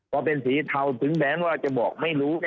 พอเป็นสีเทาถึงแม้ว่าจะบอกไม่รู้